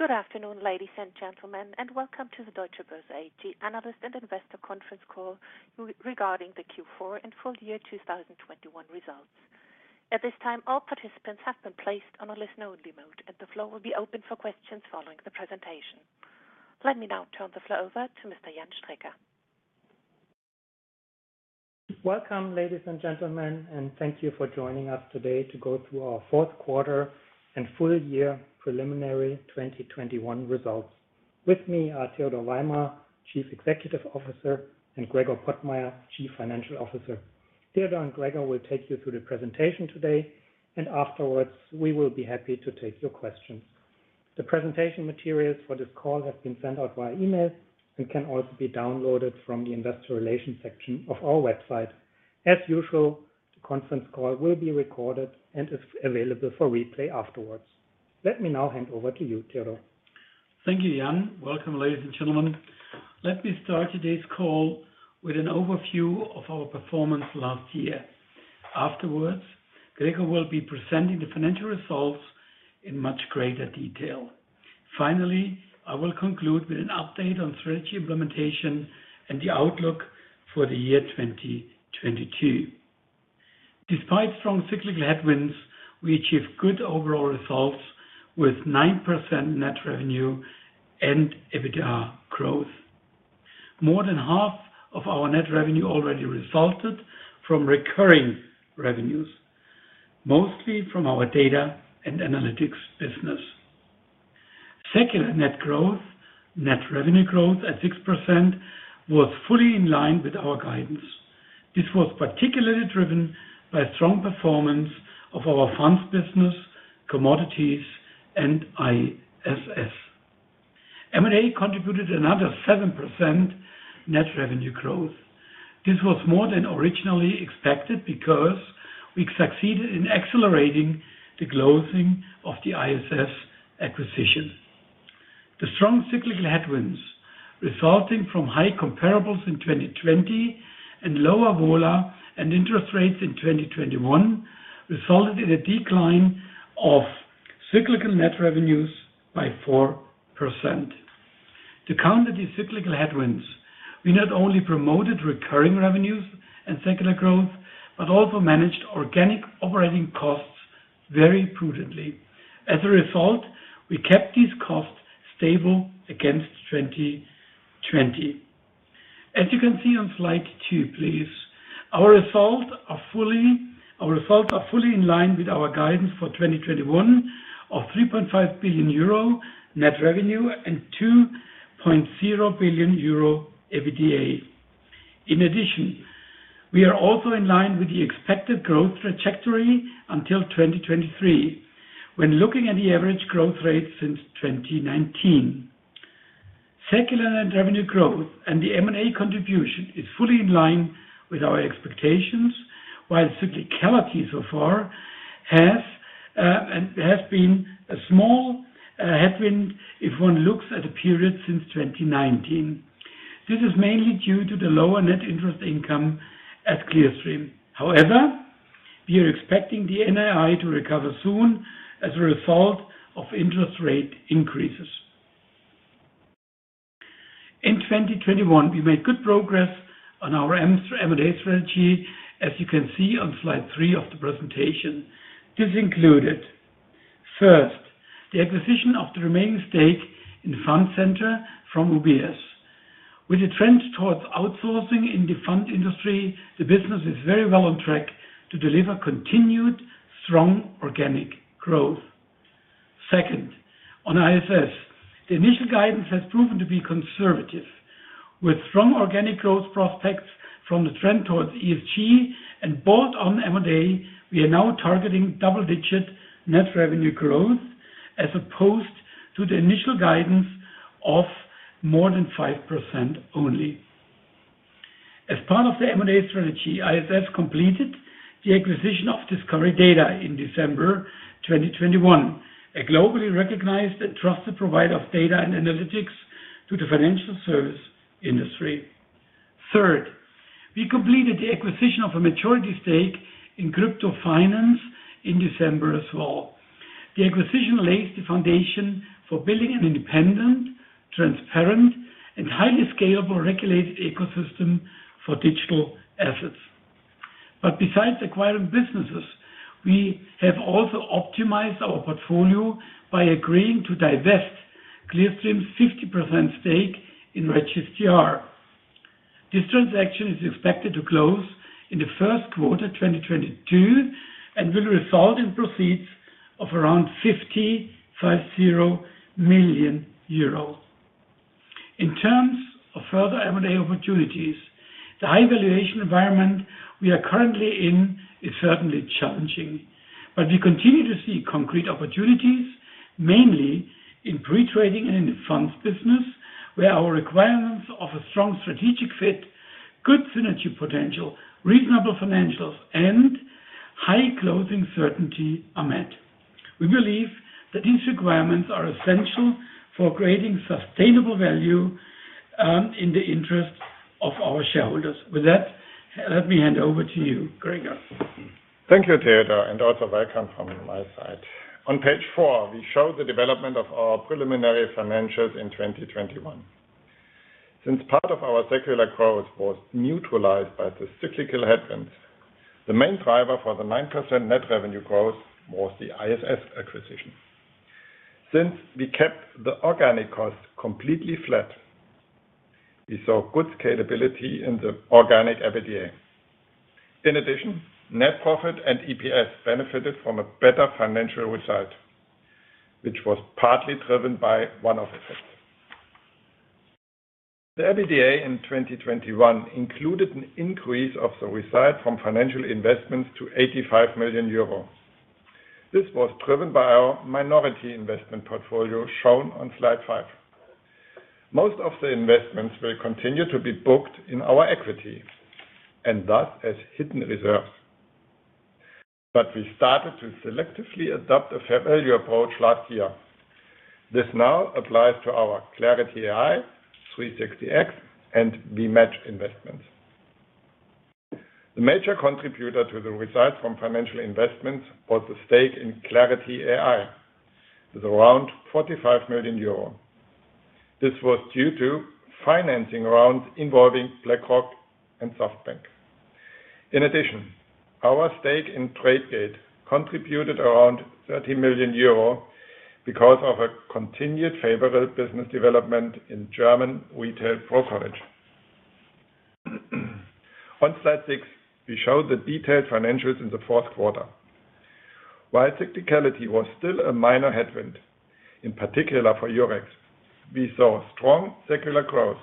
Good afternoon, ladies and gentlemen, and welcome to the Deutsche Börse AG Analyst and Investor Conference Call regarding the Q4 and full year 2021 results. At this time, all participants have been placed on a listen-only mode, and the floor will be open for questions following the presentation. Let me now turn the floor over to Mr. Jan Strecker. Welcome, ladies and gentlemen, and thank you for joining us today to go through our fourth quarter and full year preliminary 2021 results. With me are Theodor Weimer, Chief Executive Officer, and Gregor Pottmeyer, Chief Financial Officer. Theodor and Gregor will take you through the presentation today, and afterwards, we will be happy to take your questions. The presentation materials for this call have been sent out via email and can also be downloaded from the investor relations section of our website. As usual, the conference call will be recorded and is available for replay afterwards. Let me now hand over to you, Theodor. Thank you, Jan. Welcome, ladies and gentlemen. Let me start today's call with an overview of our performance last year. Afterwards, Gregor will be presenting the financial results in much greater detail. Finally, I will conclude with an update on strategy implementation and the outlook for the year 2022. Despite strong cyclical headwinds, we achieved good overall results with 9% net revenue and EBITDA growth. More than half of our net revenue already resulted from recurring revenues, mostly from our Data & Analytics business. Secular net growth, net revenue growth at 6% was fully in line with our guidance. This was particularly driven by strong performance of our Funds business, commodities, and ISS. M&A contributed another 7% net revenue growth. This was more than originally expected because we succeeded in accelerating the closing of the ISS acquisition. The strong cyclical headwinds resulting from high comparables in 2020 and lower VOLA and interest rates in 2021 resulted in a decline of cyclical net revenues by 4%. To counter these cyclical headwinds, we not only promoted recurring revenues and secular growth, but also managed organic operating costs very prudently. As a result, we kept these costs stable against 2020. As you can see on slide two, please, our results are fully in line with our guidance for 2021 of 3.5 billion euro net revenue and 2.0 billion euro EBITDA. In addition, we are also in line with the expected growth trajectory until 2023 when looking at the average growth rate since 2019. Secular net revenue growth and the M&A contribution is fully in line with our expectations, while cyclicality so far has been a small headwind if one looks at the period since 2019. This is mainly due to the lower net interest income at Clearstream. However, we are expecting the NII to recover soon as a result of interest rate increases. In 2021, we made good progress on our M&A strategy, as you can see on slide three of the presentation. This included, first, the acquisition of the remaining stake in Fund Centre from UBS. With the trend towards outsourcing in the fund industry, the business is very well on track to deliver continued strong organic growth. Second, on ISS, the initial guidance has proven to be conservative. With strong organic growth prospects from the trend towards ESG and bolt-on M&A, we are now targeting double-digit net revenue growth as opposed to the initial guidance of more than 5% only. As part of the M&A strategy, ISS completed the acquisition of Discovery Data in December 2021, a globally recognized and trusted provider of Data & Analytics to the financial service industry. Third, we completed the acquisition of a majority stake in Crypto Finance in December as well. The acquisition lays the foundation for building an independent, transparent, and highly scalable regulated ecosystem for digital assets. Besides acquiring businesses, we have also optimized our portfolio by agreeing to divest Clearstream's 50% stake in REGIS-TR. This transaction is expected to close in the first quarter 2022 and will result in proceeds of around 550 million euros. In terms of further M&A opportunities, the high valuation environment we are currently in is certainly challenging. We continue to see concrete opportunities, mainly in pre-trading and in the Funds business, where our requirements of a strong strategic fit, good synergy potential, reasonable financials, and high closing certainty are met. We believe that these requirements are essential for creating sustainable value, in the interest of our shareholders. With that, let me hand over to you, Gregor. Thank you, Theodor, and also welcome from my side. On page four, we show the development of our preliminary financials in 2021. Since part of our secular growth was neutralized by the cyclical headwinds, the main driver for the 9% net revenue growth was the ISS acquisition. Since we kept the organic cost completely flat, we saw good scalability in the organic EBITDA. In addition, net profit and EPS benefited from a better financial result, which was partly driven by one-off effects. The EBITDA in 2021 included an increase of the result from financial investments to 85 million euros. This was driven by our minority investment portfolio shown on slide five. Most of the investments will continue to be booked in our equity and thus as hidden reserves. We started to selectively adopt a fair value approach last year. This now applies to our Clarity AI, 360X, and VMatch investments. The major contributor to the results from financial investments was the stake in Clarity AI with around 45 million euro. This was due to financing rounds involving BlackRock and SoftBank. In addition, our stake in Tradegate contributed around 30 million euro because of a continued favorable business development in German retail brokerage. On slide six, we show the detailed financials in the fourth quarter. While cyclicality was still a minor headwind, in particular for Eurex, we saw strong secular growth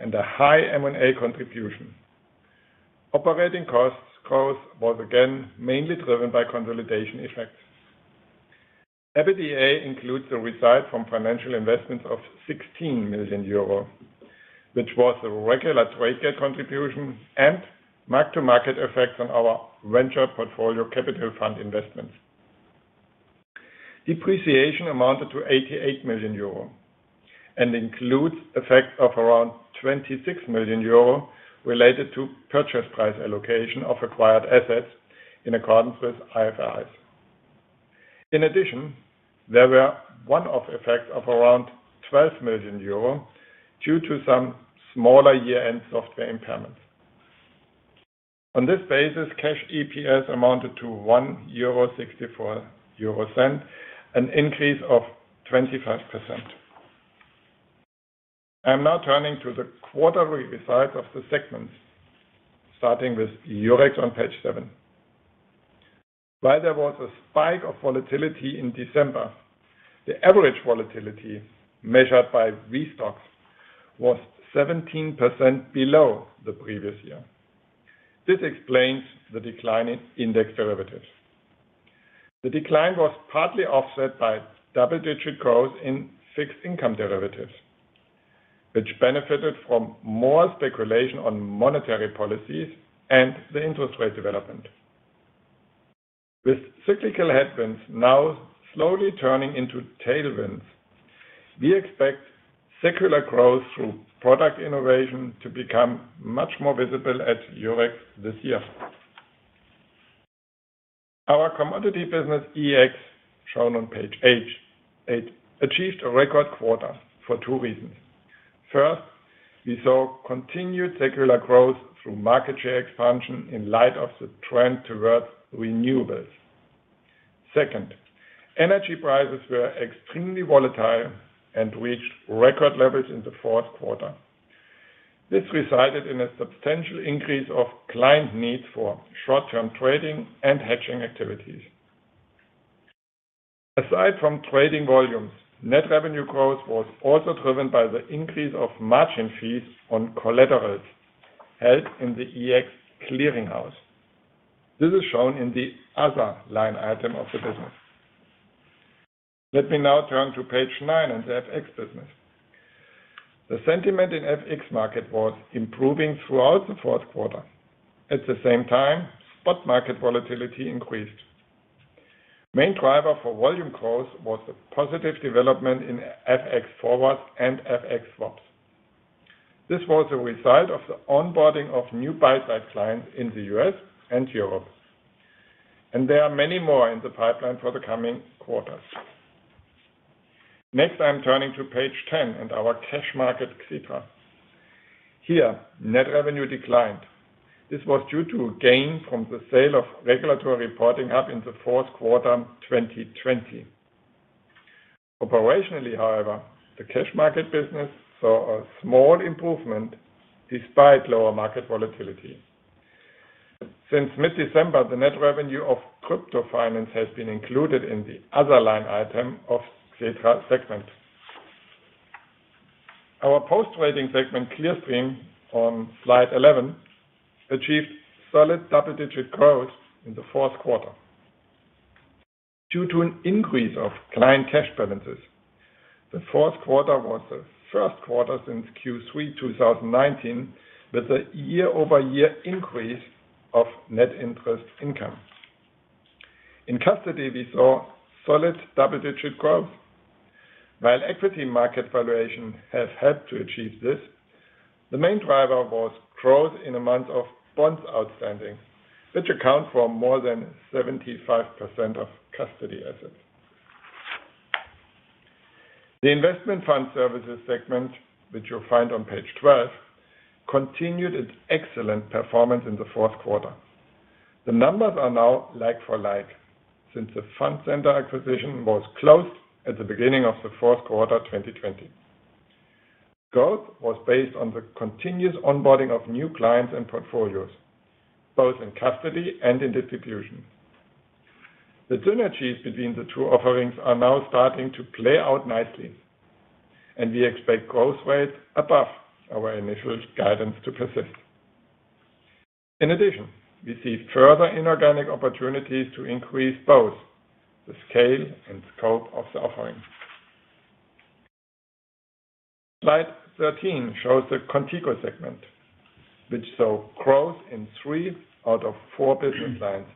and a high M&A contribution. Operating costs growth was again mainly driven by consolidation effects. EBITDA includes the result from financial investments of 16 million euro, which was a regular Tradegate contribution and mark-to-market effects on our venture portfolio capital fund investments. Depreciation amounted to 88 million euro and includes effects of around 26 million euro related to purchase price allocation of acquired assets in accordance with IFRS. In addition, there were other effects of around 12 million euro due to some smaller year-end software impairments. On this basis, cash EPS amounted to 1.64 euro, an increase of 25%. I am now turning to the quarterly results of the segments, starting with Eurex on page seven. While there was a spike of volatility in December, the average volatility measured by VSTOXX was 17% below the previous year. This explains the decline in index derivatives. The decline was partly offset by double-digit growth in fixed income derivatives, which benefited from more speculation on monetary policies and the interest rate development. With cyclical headwinds now slowly turning into tailwinds, we expect secular growth through product innovation to become much more visible at Eurex this year. Our commodity business, EEX, shown on page eight, achieved a record quarter for two reasons. First, we saw continued secular growth through market share expansion in light of the trend towards renewables. Second, energy prices were extremely volatile and reached record levels in the fourth quarter. This resulted in a substantial increase of client need for short-term trading and hedging activities. Aside from trading volumes, net revenue growth was also driven by the increase of margin fees on collaterals held in the EEX clearing house. This is shown in the other line item of the business. Let me now turn to page nine and the FX business. The sentiment in FX market was improving throughout the fourth quarter. At the same time, spot market volatility increased. Main driver for volume growth was the positive development in FX Forwards and FX Swaps. This was a result of the onboarding of new buy-side clients in the U.S. and Europe, and there are many more in the pipeline for the coming quarters. Next, I'm turning to page 10 and our cash market, Xetra. Here, net revenue declined. This was due to a gain from the sale of the Regulatory Reporting Hub in the fourth quarter 2020. Operationally, however, the cash market business saw a small improvement despite lower market volatility. Since mid-December, the net revenue of Crypto Finance has been included in the other line item of Xetra segment. Our post-trading segment, Clearstream, on slide 11, achieved solid double-digit growth in the fourth quarter. Due to an increase of client cash balances, the fourth quarter was the first quarter since Q3 2019, with a year-over-year increase of net interest income. In custody we saw solid double-digit growth. While equity market valuations haven't had to achieve this, the main driver was growth in amount of bonds outstanding, which account for more than 75% of custody assets. The Investment Fund Services segment, which you'll find on page 12, continued its excellent performance in the fourth quarter. The numbers are now like-for-like since the Fund Centre acquisition was closed at the beginning of the fourth quarter, 2020. Growth was based on the continuous onboarding of new clients and portfolios, both in custody and in distribution. The synergy between the two offerings are now starting to play out nicely, and we expect growth rates above our initial guidance to persist. In addition, we see further inorganic opportunities to increase both the scale and scope of the offering. Slide 13 shows the Qontigo segment, which saw growth in three out of four business lines.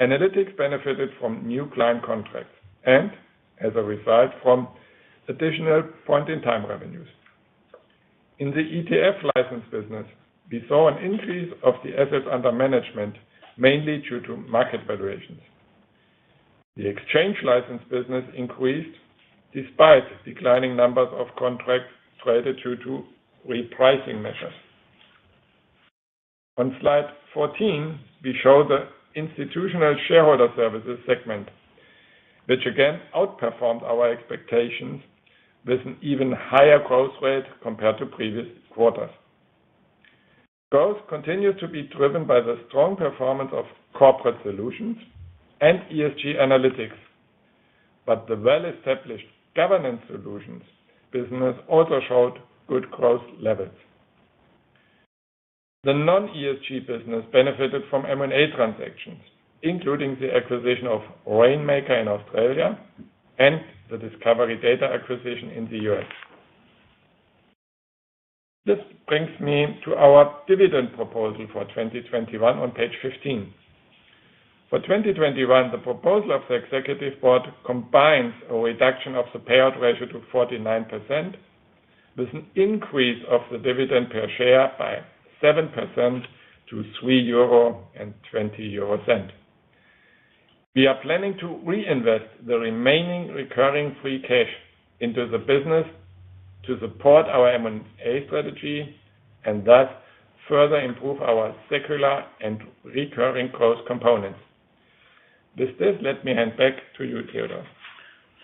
Analytics benefited from new client contracts and as a result from additional point-in-time revenues. In the ETF license business, we saw an increase of the assets under management, mainly due to market valuations. The exchange license business increased despite declining numbers of contracts traded due to repricing measures. On slide 14, we show the Institutional Shareholder Services segment, which again outperformed our expectations with an even higher growth rate compared to previous quarters. Growth continued to be driven by the strong performance of corporate solutions and ESG analytics, but the well-established governance solutions business also showed good growth levels. The non-ESG business benefited from M&A transactions, including the acquisition of Rainmaker in Australia and the Discovery Data acquisition in the U.S. This brings me to our dividend proposal for 2021 on page 15. For 2021, the proposal of the executive board combines a reduction of the payout ratio to 49% with an increase of the dividend per share by 7% to 3.20 euro. We are planning to reinvest the remaining recurring free cash into the business to support our M&A strategy and thus further improve our secular and recurring growth components. With this, let me hand back to you, Theodor.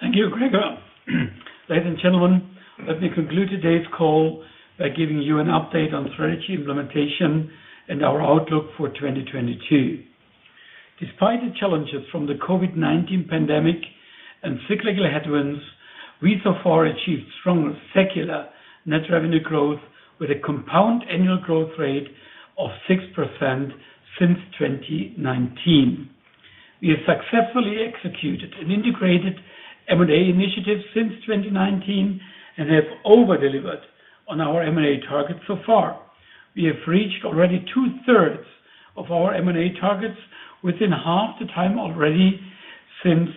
Thank you, Gregor. Ladies and gentlemen, let me conclude today's call by giving you an update on strategy implementation and our outlook for 2022. Despite the challenges from the COVID-19 pandemic and cyclical headwinds, we so far achieved stronger secular net revenue growth with a compound annual growth rate of 6% since 2019. We have successfully executed an integrated M&A initiative since 2019 and have over-delivered on our M&A target so far. We have reached already 2/3 of our M&A targets within half the time already since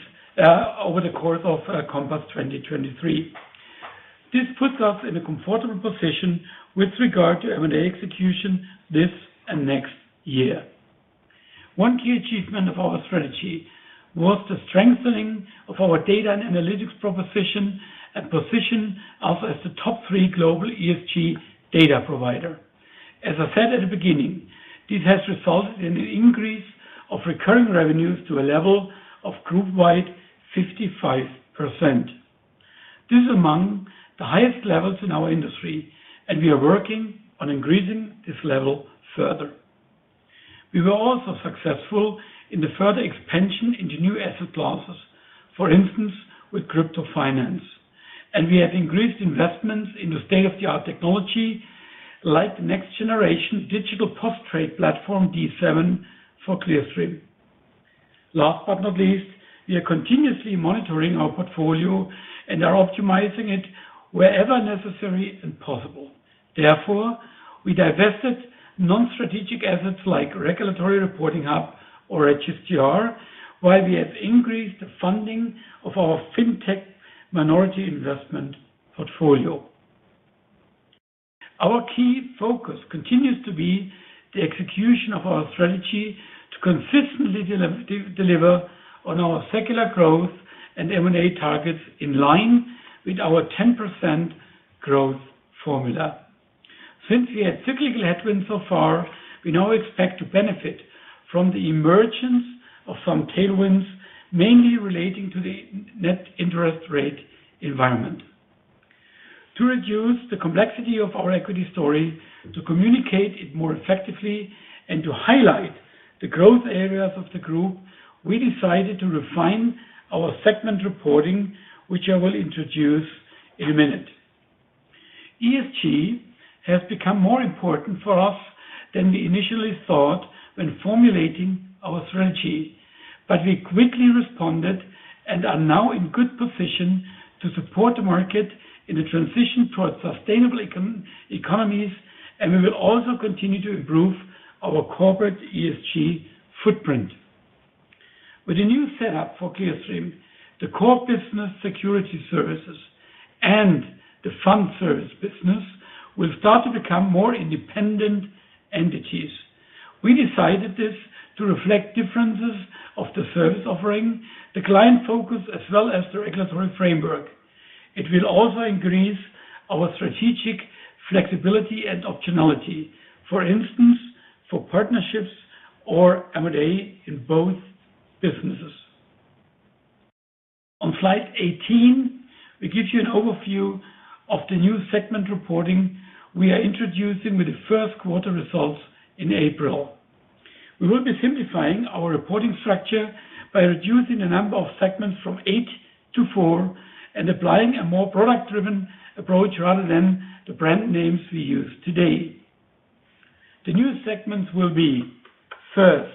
over the course of Compass 2023. This puts us in a comfortable position with regard to M&A execution this and next year. One key achievement of our strategy was the strengthening of our Data & Analytics proposition and position us as the top three global ESG data provider. As I said at the beginning, this has resulted in an increase of recurring revenues to a level of group-wide 55%. This is among the highest levels in our industry, and we are working on increasing this level further. We were also successful in the further expansion into new asset classes. For instance, with Crypto Finance. We have increased investments in the state-of-the-art technology, like next-generation digital post-trade platform D7 for Clearstream. Last but not least, we are continuously monitoring our portfolio and are optimizing it wherever necessary and possible. Therefore, we divested non-strategic assets like Regulatory Reporting Hub or HSGR, while we have increased the funding of our fintech minority investment portfolio. Our key focus continues to be the execution of our strategy to consistently deliver on our secular growth and M&A targets in line with our 10% growth formula. Since we had cyclical headwinds so far, we now expect to benefit from the emergence of some tailwinds, mainly relating to the net interest rate environment. To reduce the complexity of our equity story, to communicate it more effectively, and to highlight the growth areas of the group, we decided to refine our segment reporting, which I will introduce in a minute. ESG has become more important for us than we initially thought when formulating our strategy, but we quickly responded and are now in good position to support the market in the transition towards sustainable economies, and we will also continue to improve our corporate ESG footprint. With a new setup for Clearstream, the core business Security Services and the Fund Service business will start to become more independent entities. We decided this to reflect differences of the service offering, the client focus, as well as the regulatory framework. It will also increase our strategic flexibility and optionality, for instance, for partnerships or M&A in both businesses. On slide 18, we give you an overview of the new segment reporting we are introducing with the first quarter results in April. We will be simplifying our reporting structure by reducing the number of segments from eight to four and applying a more product-driven approach rather than the brand names we use today. The new segments will be, first,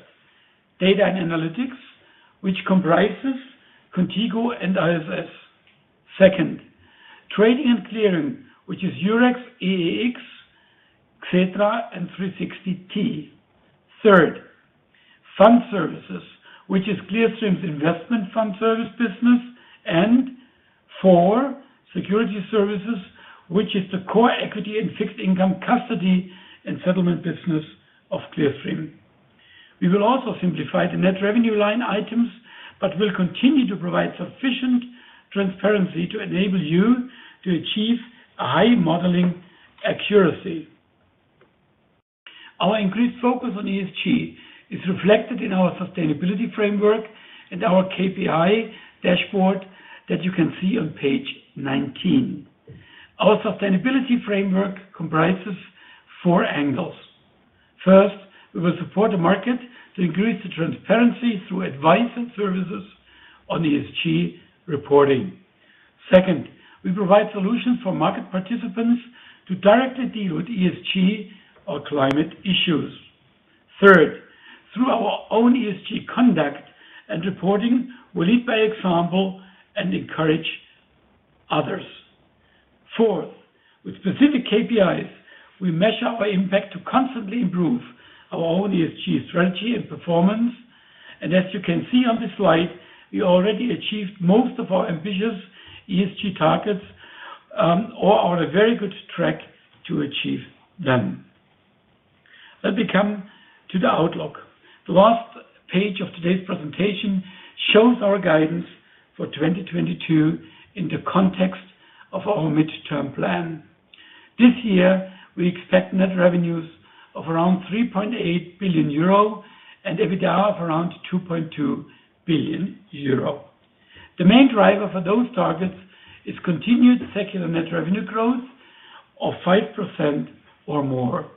Data & Analytics, which comprises Qontigo and ISS. Second, Trading & Clearing, which is Eurex, EEX, Xetra and 360T. Third, Fund Services, which is Clearstream's investment Fund Service business. Four, Security Services, which is the core equity and fixed income custody and settlement business of Clearstream. We will also simplify the net revenue line items, but will continue to provide sufficient transparency to enable you to achieve a high modeling accuracy. Our increased focus on ESG is reflected in our sustainability framework and our KPI dashboard that you can see on page 19. Our sustainability framework comprises four angles. First, we will support the market to increase the transparency through advice and services on ESG reporting. Second, we provide solutions for market participants to directly deal with ESG or climate issues. Third, through our own ESG conduct and reporting, we lead by example and encourage others. Fourth, with specific KPIs, we measure our impact to constantly improve our own ESG strategy and performance. As you can see on this slide, we already achieved most of our ambitious ESG targets, or are on a very good track to achieve them. Let me come to the outlook. The last page of today's presentation shows our guidance for 2022 in the context of our midterm plan. This year, we expect net revenues of around 3.8 billion euro and EBITDA of around 2.2 billion euro. The main driver for those targets is continued secular net revenue growth of 5% or more.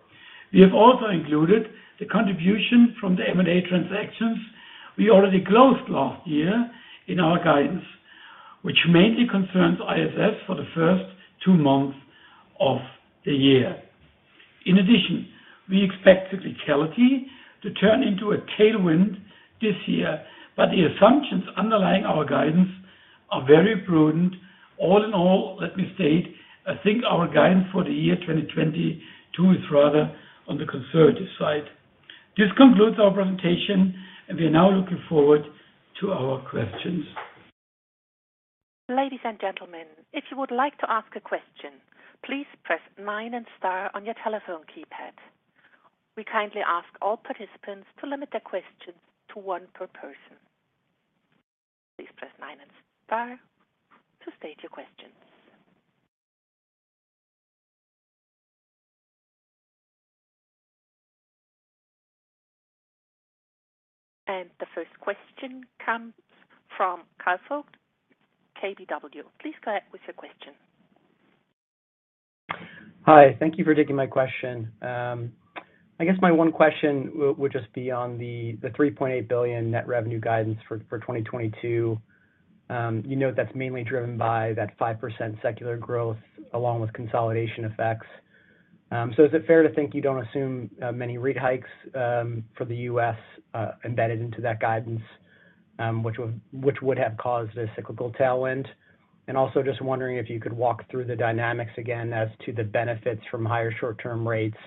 We have also included the contribution from the M&A transactions we already closed last year in our guidance, which mainly concerns ISS for the first two months of the year. In addition, we expect cyclicality to turn into a tailwind this year, but the assumptions underlying our guidance are very prudent. All in all, let me state, I think our guidance for the year 2022 is rather on the conservative side. This concludes our presentation, and we are now looking forward to our questions. Ladies and gentlemen, if you would like to ask a question, please press nine and star on your telephone keypad. We kindly ask all participants to limit their questions to one per person. Please press nine and star to state your questions. The first question comes from Kyle Voigt, KBW. Please go ahead with your question. Hi. Thank you for taking my question. I guess my one question would just be on the 3.8 billion net revenue guidance for 2022. You note that's mainly driven by that 5% secular growth along with consolidation effects. Is it fair to think you don't assume many rate hikes for the U.S. embedded into that guidance, which would have caused a cyclical tailwind? Also just wondering if you could walk through the dynamics again as to the benefits from higher short-term rates,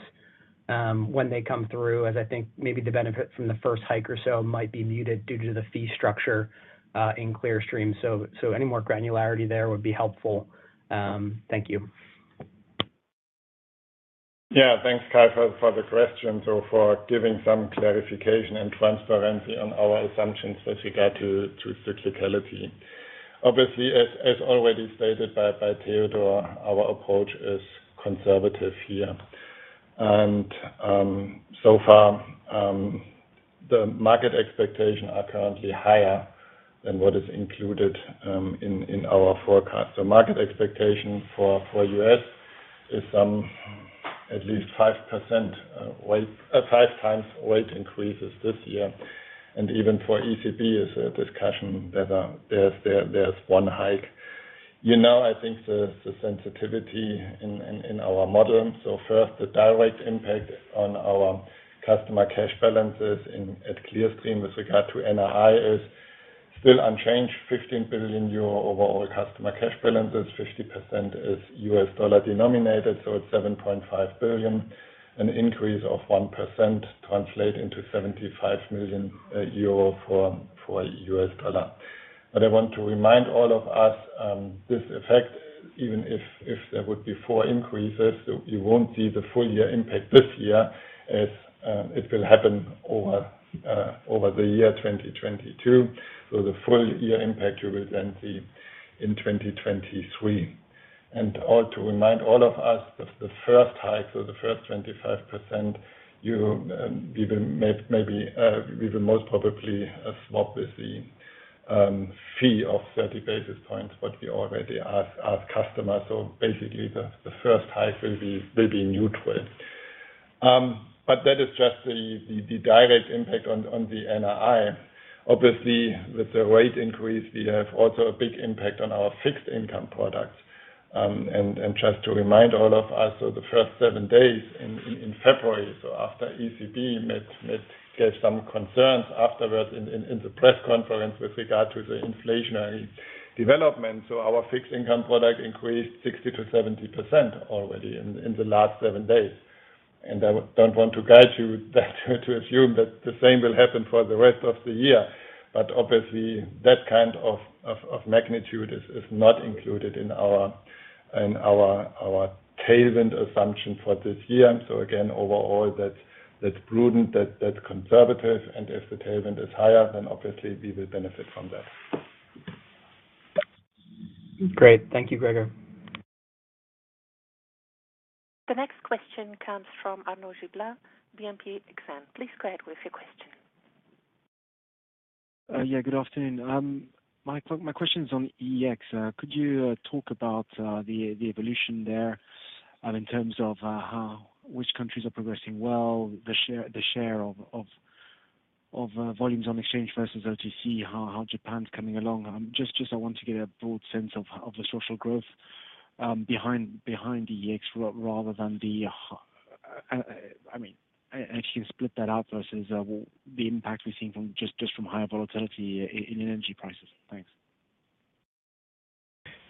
when they come through, as I think maybe the benefit from the first hike or so might be muted due to the fee structure in Clearstream. Any more granularity there would be helpful. Thank you. Yeah. Thanks, Kyle, for the question. For giving some clarification and transparency on our assumptions with regard to cyclicality. Obviously, as already stated by Theodor, our approach is conservative here. So far, the market expectation are currently higher than what is included in our forecast. The market expectation for U.S. is at least 5%, five times rate increases this year. Even for ECB is a discussion that there's one hike. You know, I think the sensitivity in our modeling. First, the direct impact on our customer cash balances at Clearstream with regard to NII is still unchanged. 15 billion euro overall customer cash balances, 50% is U.S. dollar denominated, so it's $7.5 billion, an increase of 1% translate into 75 million euro for U.S. dollar. I want to remind all of us this effect, even if there would be four increases, you won't see the full year impact this year as it will happen over the year 2022. The full year impact you will then see in 2023. Also to remind all of us that the first hike or the first 25% you maybe we will most probably swap with the fee of 30 basis points what we already ask our customers. Basically the first hike will be neutral. That is just the direct impact on the NII. Obviously, with the rate increase, we have also a big impact on our fixed income products. And just to remind all of us, the first seven days in February, after ECB gave some concerns afterwards in the press conference with regard to the inflationary development. Our fixed income product increased 60%-70% already in the last seven days. I don't want to guide you to assume that the same will happen for the rest of the year. Obviously that kind of magnitude is not included in our tailwind assumption for this year. Again, overall that's prudent, that's conservative. If the tailwind is higher, then obviously we will benefit from that. Great. Thank you, Gregor. The next question comes from Arnaud Giblat, BNP Exane. Please go ahead with your question. Good afternoon. My question's on EEX. Could you talk about the evolution there in terms of which countries are progressing well, the share of volumes on exchange versus OTC, how Japan's coming along? I want to get a broad sense of the overall growth behind the EEX rather than, I mean, actually split that out versus the impact we're seeing from higher volatility in energy prices. Thanks.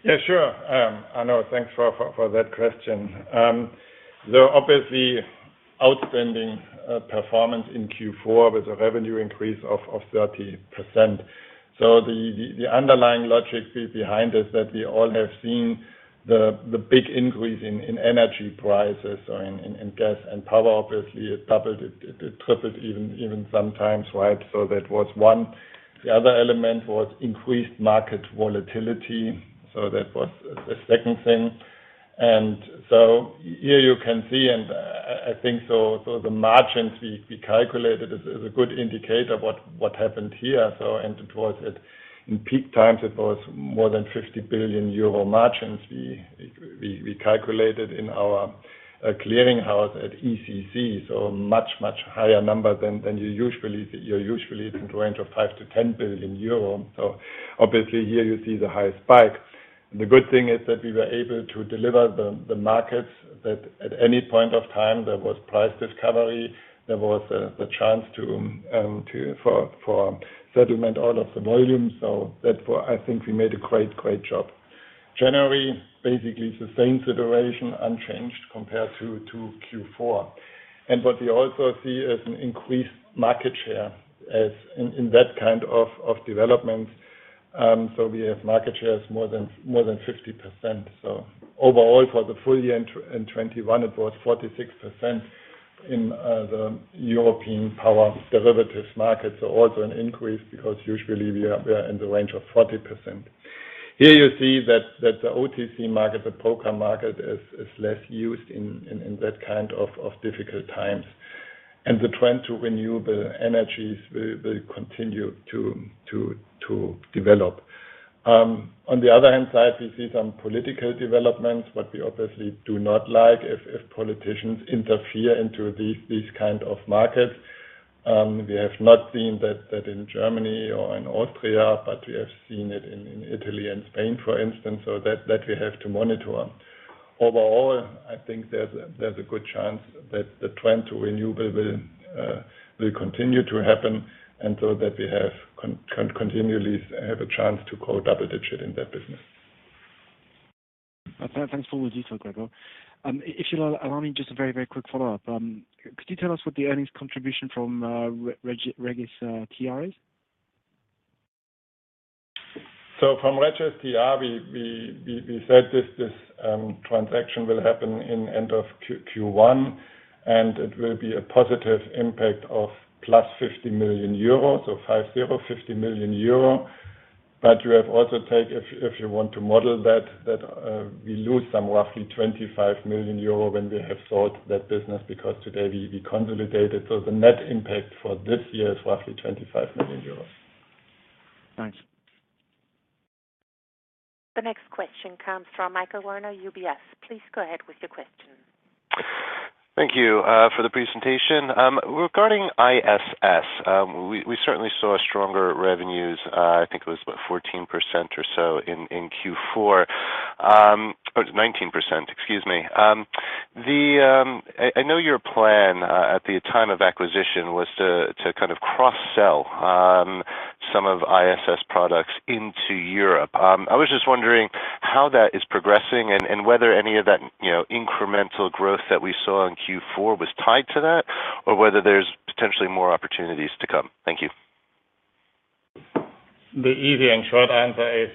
Arnaud, thanks for that question. There are obviously outstanding performance in Q4 with a revenue increase of 30%. The underlying logic behind is that we all have seen the big increase in energy prices or in gas and power. Obviously, it doubled, it tripled even sometimes, right? That was one. The other element was increased market volatility. That was the second thing. Here you can see and I think the margins we calculated is a good indicator of what happened here. In peak times, it was more than 50 billion euro margins we calculated in our clearing house at ECC, so much higher number than you're usually in the range of 5 billion-10 billion euro. Obviously here you see the highest spike. The good thing is that we were able to deliver the markets that at any point of time there was price discovery, there was the chance for settlement all of the volumes. I think we made a great job. January, basically the same situation unchanged compared to Q4. What we also see is an increased market share as in that kind of development. We have market shares more than 50%. Overall for the full year in 2021, it was 46% in the European power derivatives market so also an increase because usually we are in the range of 40%. Here you see that the OTC market, the program market is less used in that kind of difficult times. The trend to renewable energies will continue to develop. On the other hand side, we see some political developments that we obviously do not like if politicians interfere into these kind of markets. We have not seen that in Germany or in Austria, but we have seen it in Italy and Spain, for instance. That we have to monitor. Overall, I think there's a good chance that the trend to renewable will continue to happen, and so that we continually have a chance to grow double-digit in that business. Thanks for the detail, Gregor. If you'll allow me just a very, very quick follow-up. Could you tell us what the earnings contribution from REGIS-TR is? From REGIS-TR, we said this transaction will happen in end of Q1, and it will be a positive impact of +50 million euros, so over 50 million euro. You have also to take if you want to model that we lose some roughly 25 million euro when we have sold that business because today we consolidated. The net impact for this year is roughly 25 million euros. Thanks. The next question comes from Michael Werner, UBS. Please go ahead with your question. Thank you for the presentation. Regarding ISS, we certainly saw stronger revenues, I think it was about 14% or so in Q4 or 19%, excuse me. I know your plan at the time of acquisition was to kind of cross-sell some of ISS products into Europe. I was just wondering how that is progressing and whether any of that, you know, incremental growth that we saw in Q4 was tied to that, or whether there's potentially more opportunities to come. Thank you. The easy and short answer is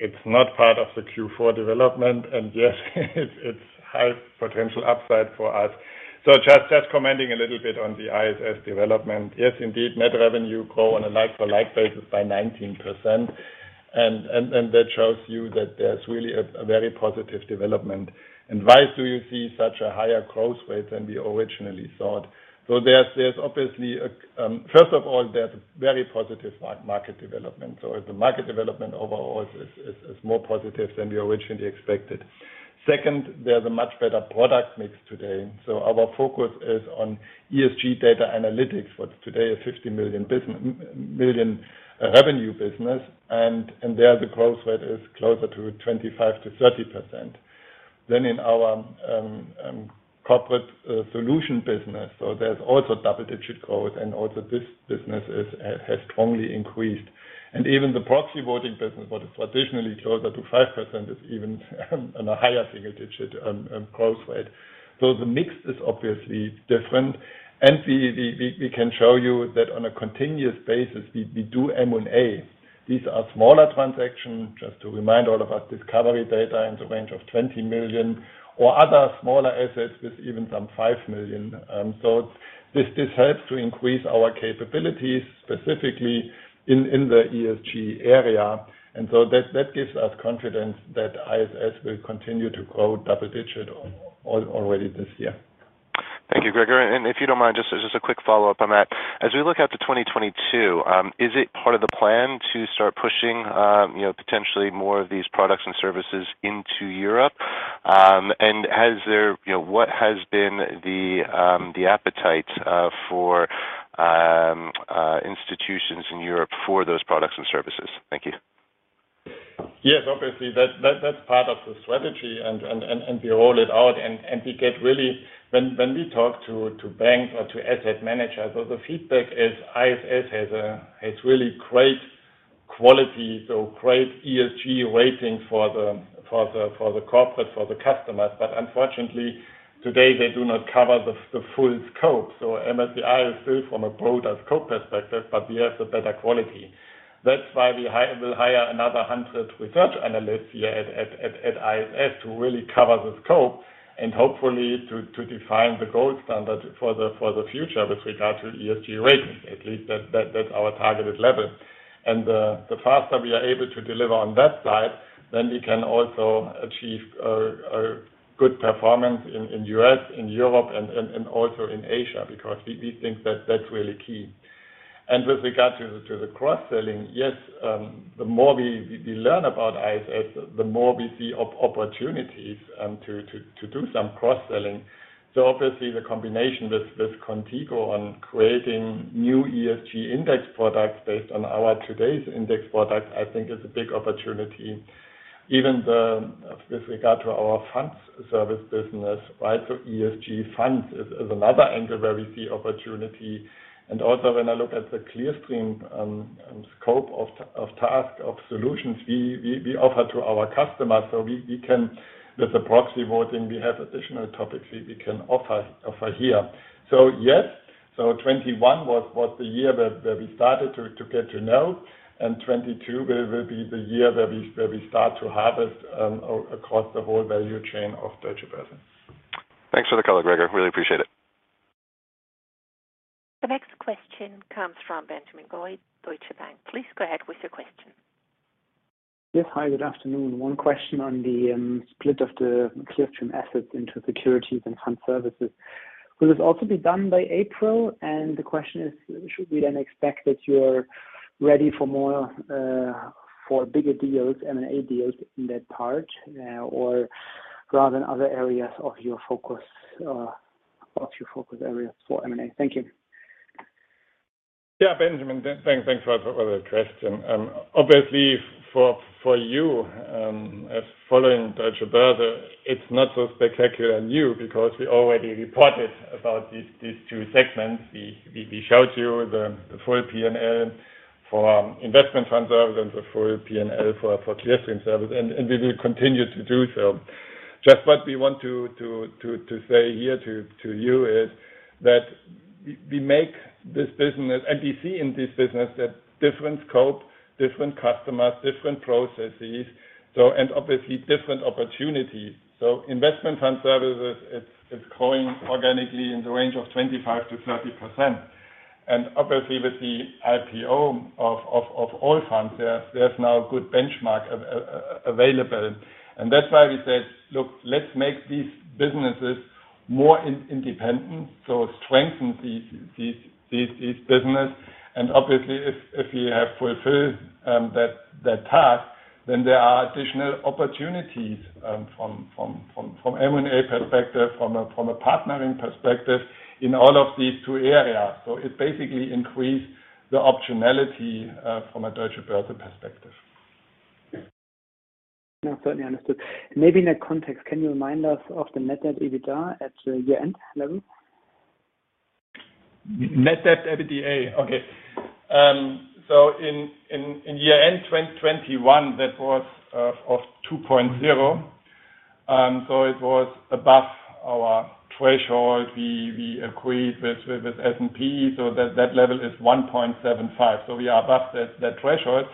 it's not part of the Q4 development, and yes, it's high potential upside for us. Just commenting a little bit on the ISS development. Yes, indeed, net revenue grow on a like-for-like basis by 19%. That shows you that there's really a very positive development. Why do you see such a higher growth rate than we originally thought? There's obviously a first of all, there's very positive like market development, or the market development overall is more positive than we originally expected. Second, there's a much better product mix today. Our focus is on ESG data analytics, what's today a 50 million revenue business. There, the growth rate is closer to 25%-30%. Then in our corporate solution business, so there's also double-digit growth, and also this business has strongly increased. Even the proxy voting business, what is traditionally closer to 5%, is even on a higher single-digit growth rate. The mix is obviously different. We can show you that on a continuous basis. We do M&A. These are smaller transactions. Just to remind all of us, Discovery Data in the range of 20 million or other smaller assets with even some 5 million. This helps to increase our capabilities specifically in the ESG area. That gives us confidence that ISS will continue to grow double-digit already this year. Thank you, Gregor. If you don't mind, just a quick follow-up on that. As we look out to 2022, is it part of the plan to start pushing, you know, potentially more of these products and services into Europe? You know, what has been the appetite for institutions in Europe for those products and services? Thank you. Yes, obviously, that's part of the strategy and we roll it out and we get, really, when we talk to banks or asset managers, so the feedback is ISS has really great quality, such great ESG rating for the corporates, for the customers. Unfortunately, today they do not cover the full scope. MSCI is still from a broader scope perspective, but we have the better quality. That's why we'll hire another 100 research analysts here at ISS to really cover the scope and hopefully to define the gold standard for the future with regard to ESG ratings. At least that's our targeted level. The faster we are able to deliver on that side, then we can also achieve a good performance in U.S., in Europe and also in Asia, because we think that that's really key. With regard to the cross-selling, yes, the more we learn about ISS, the more we see opportunities to do some cross-selling. Obviously, the combination with Qontigo on creating new ESG index products based on our today's index products, I think is a big opportunity. Even with regard to our funds service business, right? ESG funds is another angle where we see opportunity. Also when I look at the Clearstream scope of task of solutions we offer to our customers. We can, with the proxy voting, we have additional topics we can offer here. Yes. 2021 was the year that we started to get to know and 2022 will be the year that we start to harvest across the whole value chain of Deutsche Börse. Thanks for the color, Gregor. I really appreciate it. The next question comes from Benjamin Goy, Deutsche Bank. Please go ahead with your question. Yes. Hi, good afternoon. One question on the split of the Clearstream assets into securities and Fund Services. Will this also be done by April? The question is: should we then expect that you're ready for more for bigger deals, M&A deals in that part, or rather than other areas of your focus areas for M&A? Thank you. Yeah, Benjamin. Thanks for the question. Obviously for you as following Deutsche Börse, it's not so spectacular news because we already reported about these two segments. We showed you the full P&L for investment Fund Service and the full P&L for Clearstream service. We will continue to do so. Just what we want to say here to you is that we make this business and we see in this business that different scope, different customers, different processes, so and obviously different opportunities. Investment Fund Services, it's growing organically in the range of 25%-30%. Obviously with the IPO of Allfunds, there's now a good benchmark available. That's why we said, "Look, let's make these businesses more independent, so strengthen these businesses." Obviously if we have fulfilled that task, then there are additional opportunities from M&A perspective, from a partnering perspective in all of these two areas. It basically increases the optionality from a Deutsche Börse perspective. No, certainly understood. Maybe in that context, can you remind us of the net debt EBITDA at the year-end level? Net debt to EBITDA. Okay. In year-end 2021, that was of 2.0. It was above our threshold. We agreed with S&P, so that level is 1.75. We are above that threshold.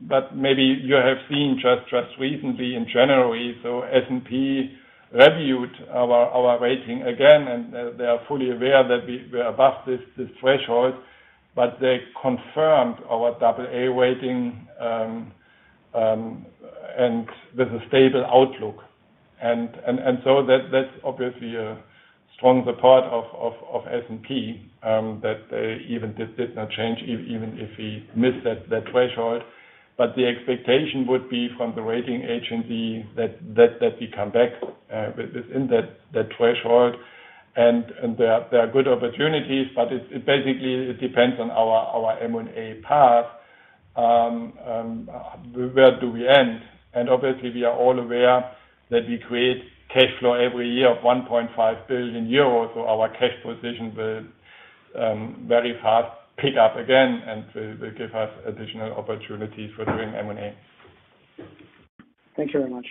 But maybe you have seen just recently in January, S&P reviewed our rating again, and they are fully aware that we are above this threshold, but they confirmed our double-A rating and with a stable outlook. So that's obviously a strong support of S&P that they even this did not change even if we missed that threshold but the expectation would be from the rating agency that we come back within that threshold. There are good opportunities, but it basically depends on our M&A path. Where do we end? Obviously we are all aware that we create cash flow every year of 1.5 billion euros. Our cash position will very fast pick up again, and will give us additional opportunities for doing M&A. Thank you very much.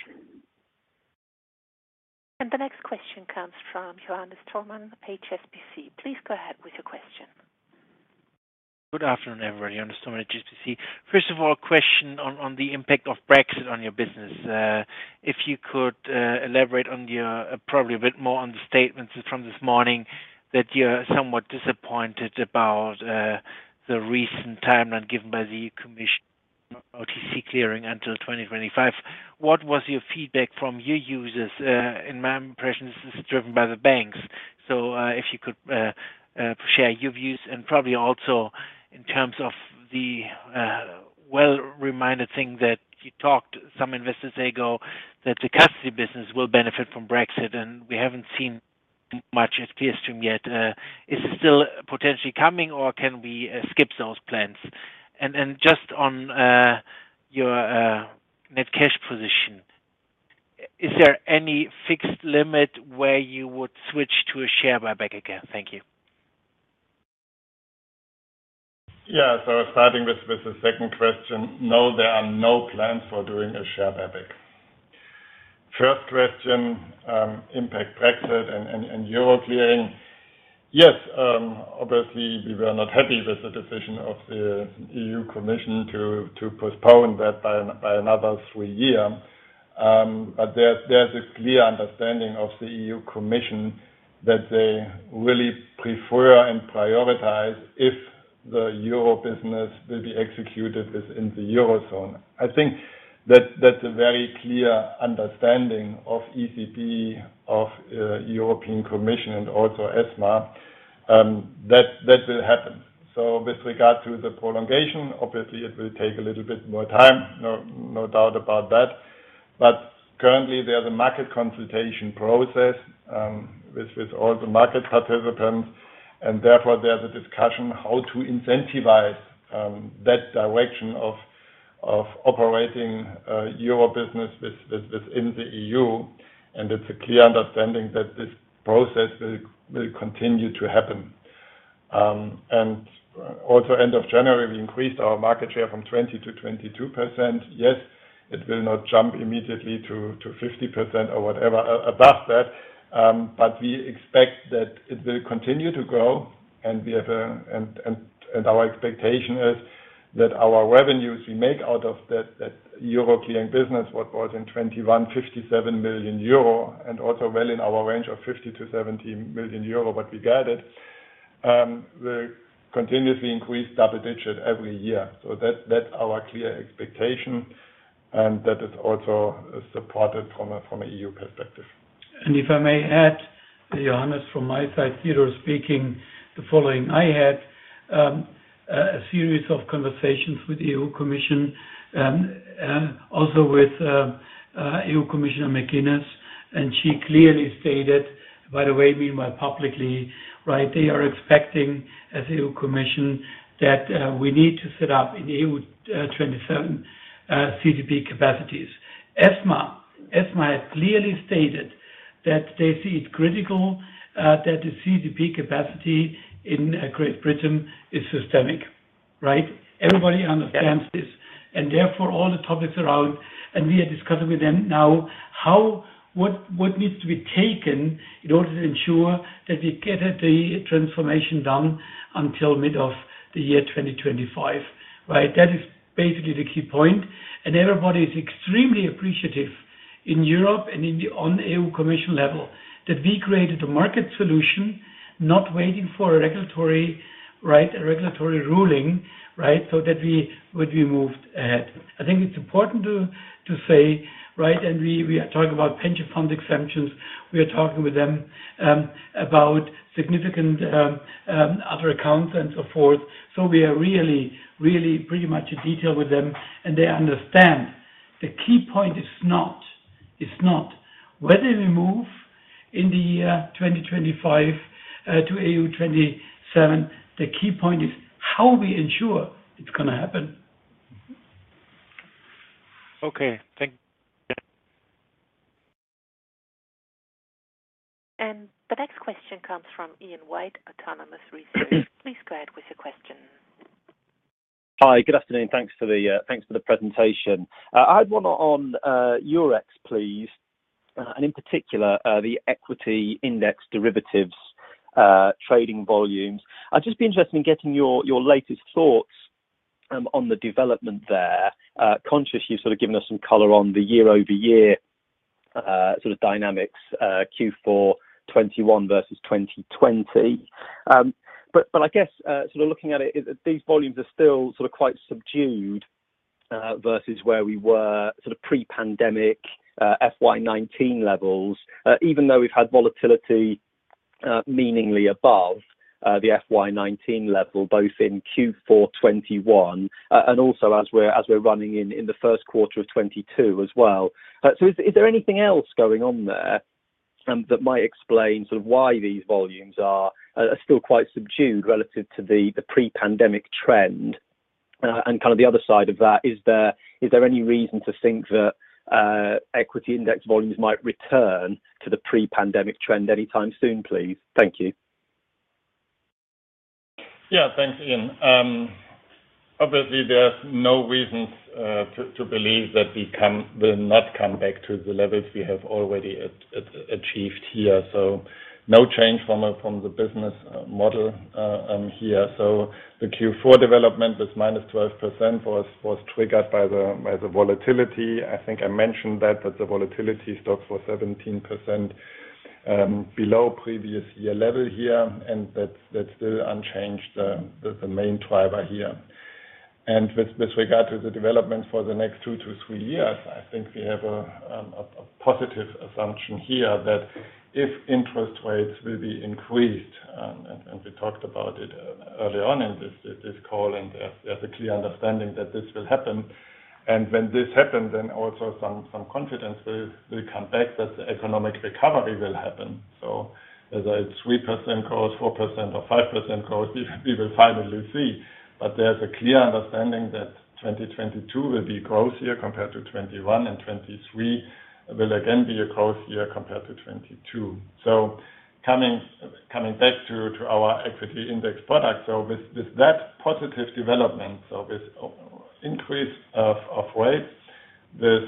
The next question comes from Johannes Thormann, HSBC. Please go ahead with your question. Good afternoon, everybody. Johannes Thormann, HSBC. First of all, a question on the impact of Brexit on your business. If you could elaborate probably a bit more on the statements from this morning that you're somewhat disappointed about the recent timeline given by the commission OTC clearing until 2025. What was your feedback from your users? In my impression, this is driven by the banks. If you could share your views and probably also in terms of the well-remembered thing that you talked to some investors ago, that the custody business will benefit from Brexit, and we haven't seen much at Clearstream yet. Is it still potentially coming or can we skip those plans? Just on your net cash position, is there any fixed limit where you would switch to a share buyback again? Thank you. Starting with the second question, no, there are no plans for doing a share buyback. First question, impact Brexit and Euro clearing. Yes. Obviously we were not happy with the decision of the EU Commission to postpone that by another three year. There's a clear understanding of the EU Commission that they really prefer and prioritize if the Euro business will be executed within the Eurozone. I think that's a very clear understanding of ECB, of European Commission and also ESMA, that will happen. With regard to the prolongation, obviously it will take a little bit more time, no doubt about that. Currently there's a market consultation process with all the market participants, and therefore there's a discussion how to incentivize that direction of operating euro business within the EU. It's a clear understanding that this process will continue to happen. Also end of January, we increased our market share from 20%-22%. Yes, it will not jump immediately to 50% or whatever above that. We expect that it will continue to grow and our expectation is that our revenues we make out of that euro clearing business, what was in 2021 57 million euro, and also well within our range of 50 million-70 million euro what we gathered, will continuously increase double-digit every year. That's our clear expectation, and that is also supported from a EU perspective. If I may add, Johannes, from my side, Theodor speaking. Following that, I had a series of conversations with European Commission and also with EU Commissioner McGuinness, and she clearly stated, by the way, we were publicly, right. They are expecting as European Commission that we need to set up in EU 27 CCP capacities. ESMA has clearly stated that they see it critical that the CCP capacity in Great Britain is systemic, right? Everybody understands this, and therefore all the topics around. We are discussing with them now what needs to be taken in order to ensure that we get the transformation done until mid-2025, right? That is basically the key point. Everybody is extremely appreciative in Europe and on EU Commission level that we created a market solution, not waiting for a regulatory ruling, right? That we would be moved ahead. I think it's important to say, right, and we are talking about pension fund exemptions. We are talking with them about significant other accounts and so forth. We are really pretty much in detail with them, and they understand. The key point is not- It's not whether we move in the year 2025 to EU 27, the key point is how we ensure it's gonna happen? Okay. Thank you. The next question comes from Ian White, Autonomous Research. Please go ahead with your question. Hi. Good afternoon. Thanks for the presentation. I have one on Eurex, please, and in particular, the equity index derivatives trading volumes. I'd just be interested in getting your latest thoughts on the development there. Conscious you've sort of given us some color on the year-over-year sort of dynamics, Q4 2021 versus 2020. But I guess sort of looking at it, these volumes are still sort of quite subdued versus where we were sort of pre-pandemic FY 2019 levels, even though we've had volatility meaningfully above the FY 2019 level, both in Q4 2021 and also as we're running in the first quarter of 2022 as well. Is there anything else going on there that might explain sort of why these volumes are still quite subdued relative to the pre-pandemic trend? Kind of the other side of that, is there any reason to think that equity index volumes might return to the pre-pandemic trend anytime soon, please? Thank you. Thanks, Ian. Obviously, there's no reasons to believe that we will not come back to the levels we have already achieved here. No change from the business model here. The Q4 development was -12%, triggered by the volatility. I think I mentioned that the VSTOXX was 17% below previous year level here, and that's still unchanged, the main driver here. With regard to the development for the next two to three years, I think we have a positive assumption here that if interest rates will be increased, and we talked about it earlier on in this call, and there's a clear understanding that this will happen. When this happens, then also some confidence will come back that the economic recovery will happen. Whether it's 3% growth, 4% or 5% growth, we will finally see. There's a clear understanding that 2022 will be a growth year compared to 2021, and 2023 will again be a growth year compared to 2022. Coming back to our equity index product. With that positive development, with increase in rates, with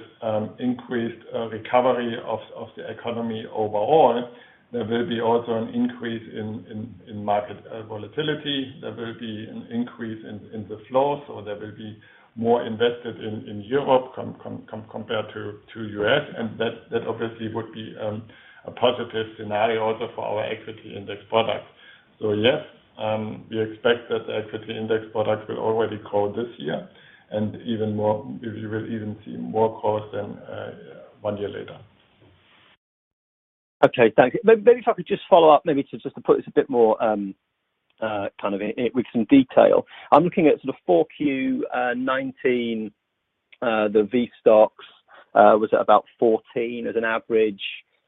increased recovery of the economy overall, there will be also an increase in market volatility. There will be an increase in the flows, or there will be more invested in Europe compared to U.S. That obviously would be a positive scenario also for our equity index product. Yes, we expect that the equity index product will already grow this year and even more. We will even see more growth than one year later. Okay. Thank you. Maybe if I could just follow up, just to put this a bit more, kind of in with some detail. I'm looking at sort of 4Q 2019, the VSTOXX was at about 14 as an average,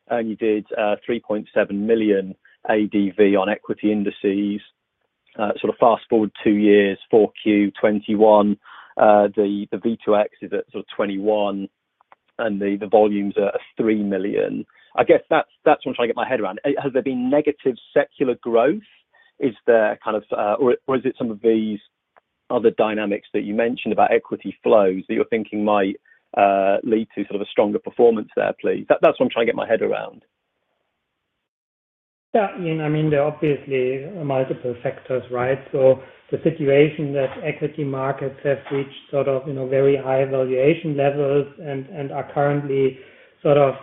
and you did 3.7 million ADV on equity indices. Sort of fast-forward two years, 4Q 2021, the V2X is at sort of 2021, and the volumes are 3 million. I guess that's what I'm trying to get my head around. Has there been negative secular growth? Is there kind of? Or is it some of these other dynamics that you mentioned about equity flows that you're thinking might lead to sort of a stronger performance there, please? That's what I'm trying to get my head around. Yeah. I mean, there are obviously multiple factors, right? The situation that equity markets have reached sort of, you know, very high valuation levels and are currently sort of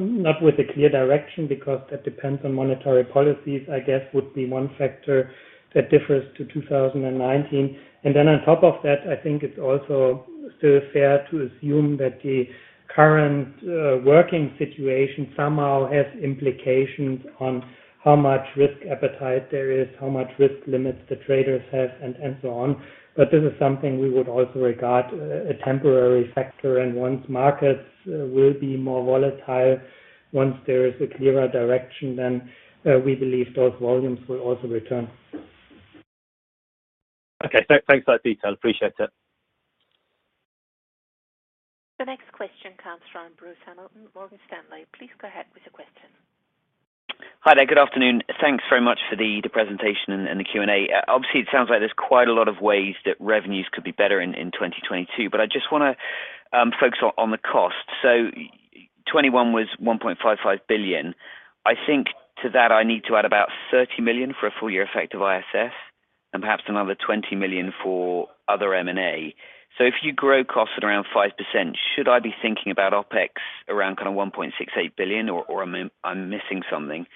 not with a clear direction because that depends on monetary policies, I guess would be one factor that differs to 2019. Then on top of that, I think it's also still fair to assume that the current working situation somehow has implications on how much risk appetite there is, how much risk limits the traders have and so on. This is something we would also regard a temporary factor. Once markets will be more volatile, once there is a clearer direction, then we believe those volumes will also return. Okay. Thanks for that detail. Appreciate it. The next question comes from Bruce Hamilton, Morgan Stanley. Please go ahead with your question. Hi there. Good afternoon. Thanks very much for the presentation and the Q&A. Obviously, it sounds like there's quite a lot of ways that revenues could be better in 2022, but I just wanna focus on the cost. 2021 was 1.55 billion. I think to that, I need to add about 30 million for a full year effect of ISS and perhaps another 20 million for other M&A. If you grow costs at around 5%, should I be thinking about OpEx around kind of 1.68 billion, or I'm missing something?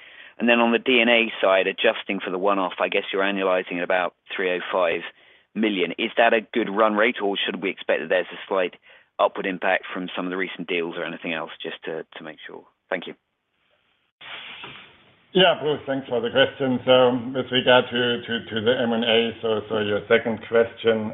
Then on the D&A side, adjusting for the one-off, I guess you're annualizing at about 305 million. Is that a good run rate, or should we expect that there's a slight upward impact from some of the recent deals or anything else, just to make sure? Thank you. Yeah, Bruce, thanks for the question. With regard to the M&A, your second question.